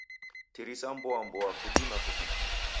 Tirisa mboamboa, kudima kuvika.